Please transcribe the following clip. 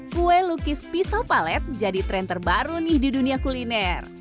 kue lukis pisau palet jadi tren terbaru nih di dunia kuliner